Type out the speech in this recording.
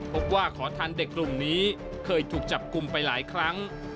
ขอทันเด็กกลุ่มนี้เคยถูกจับกลุ่มไปหลายครั้ง